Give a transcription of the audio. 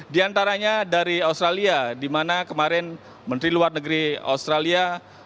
di antaranya dari australia di mana kemarin menteri luar negeri australia